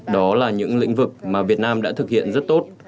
đó là những lĩnh vực mà việt nam đã thực hiện rất tốt